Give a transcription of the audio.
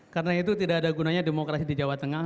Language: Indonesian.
karena itu tidak ada gunanya demokrasi di jawa tengah